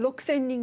６０００人。